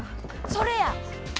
それや！